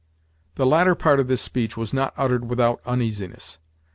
The latter part of this speech was not uttered without uneasiness.